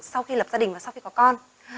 sau khi lập gia đình và sau khi có con